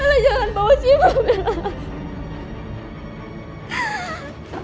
bella jangan bawa siva bella